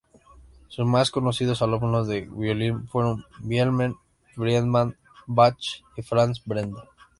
Su más conocidos alumnos de violin fueron Wilhelm Friedemann Bach y Franz Benda.